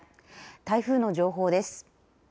台風の情報です。